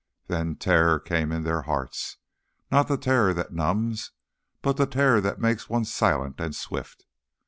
Then terror came in their hearts, not the terror that numbs, but the terror that makes one silent and swift.